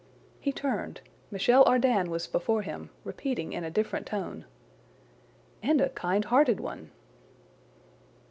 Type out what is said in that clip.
He turned. Michel Ardan was before him, repeating in a different tone: "And a kindhearted one!"